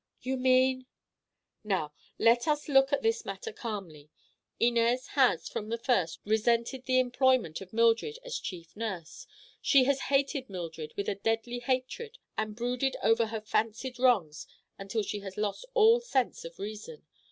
"You mean—" "Now, let us look at this matter calmly. Inez has, from the first, resented the employment of Mildred as chief nurse. She has hated Mildred with a deadly hatred and brooded over her fancied wrongs until she has lost all sense of reason.